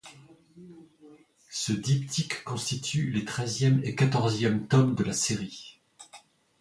Ce diptyque constitue les treizième et quatorzième tomes de la série.